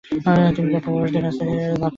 তিনি তার পুর্বপুরুষের কাছ থেকে লাভ করেন।